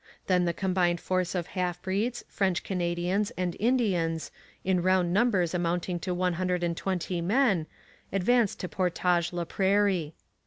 Then the combined force of half breeds, French Canadians, and Indians, in round numbers amounting to one hundred and twenty men, advanced to Portage la Prairie.